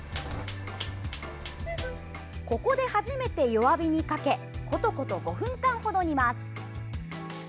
ここで初めて弱火にかけコトコト５分間程、煮ます。